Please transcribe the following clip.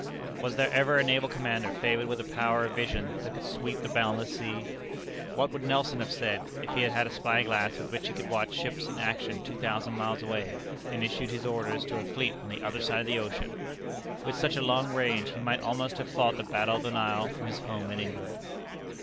Was there ever a naval commander favored with a power of vision that could sweep the boundless sea? What would Nelson have said, if he had had a spy glass with which he could watch ships in action two thousand miles away, and issue his orders to a fleet on the other side of the ocean? With such a long range, he might almost have fought the Battle of the Nile from his home in England.